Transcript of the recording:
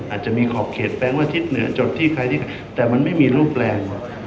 อาจจะมีขอบเขตแปลงว่าทิศเหนือจดที่ใครที่แต่มันไม่มีรูปแรง